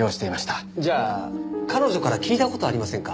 じゃあ彼女から聞いた事ありませんか？